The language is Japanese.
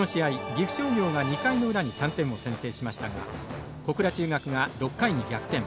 岐阜商業が２回の裏に３点を先制しましたが小倉中学が６回に逆転。